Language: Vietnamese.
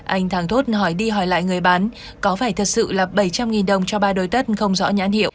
anh tháng thốt hỏi đi hỏi lại người bán có phải thật sự là bảy trăm linh đồng cho ba đôi tất không rõ nhãn hiệu